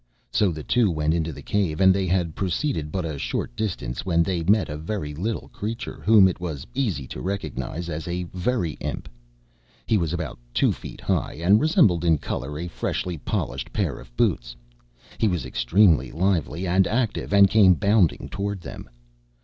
So the two went into the cave, and they had proceeded but a short distance when they met a very little creature, whom it was easy to recognize as a Very Imp. He was about two feet high, and resembled in color a freshly polished pair of boots. He was extremely lively and active, and came bounding toward them.